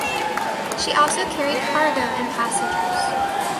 She also carried cargo and passengers.